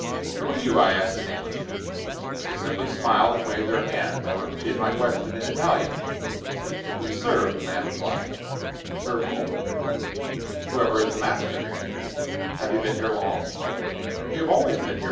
"Who are you?" I asked in English. They simply smiled and waved their hands. I repeated my question in Italian. "We serve," the man replied. "Serve whom?" "Whoever is the master." "Have you been here long?" "We have always been here.